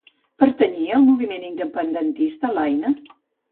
Pertanyia al moviment independentista l'Aina?